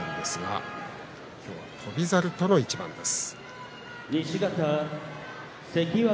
今日は翔猿との一番です。